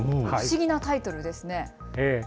不思議なタイトルですね。